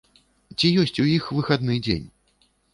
Ці ёсць у іх выхадны дзень?